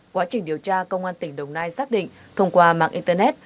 quá trình điều tra công an tỉnh đồng nai xác định thông qua mạng internet